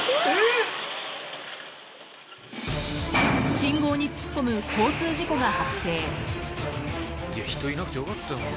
［信号に突っ込む交通事故が発生］